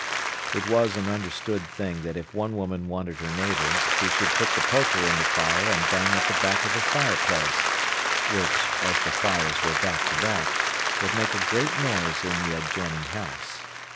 It was an understood thing that if one woman wanted her neighbour, she should put the poker in the fire and bang at the back of the fireplace, which, as the fires were back to back, would make a great noise in the adjoining house.